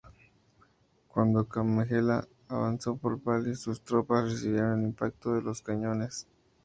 Cuando Kamehameha avanzó por Pali, sus tropas recibieron el impacto de los cañones.